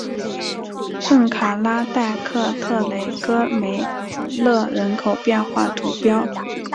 圣卡拉代克特雷戈梅勒人口变化图示